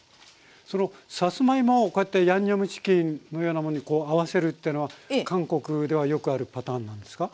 そのさつまいもをこうやってヤンニョムチキンのようなものに合わせるっていうのは韓国ではよくあるパターンなんですか？